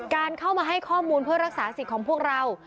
การเข้ามาให้ข้อมูลเพื่อรักษาสิทธิ์ของพวกเรา